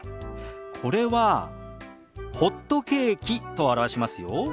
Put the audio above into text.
これは「ホットケーキ」と表しますよ。